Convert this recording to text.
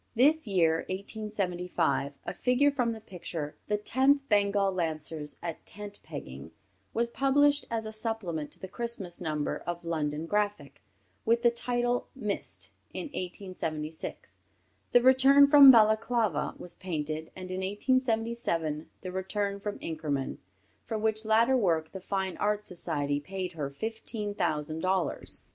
This year, 1875, a figure from the picture, the "Tenth Bengal Lancers at Tent pegging," was published as a supplement to the Christmas number of London Graphic, with the title "Missed." In 1876, "The Return from Balaklava" was painted, and in 1877, "The Return from Inkerman," for which latter work the Fine Art Society paid her fifteen thousand dollars.